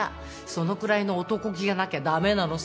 そのくらいのおとこ気がなきゃ駄目なのさ。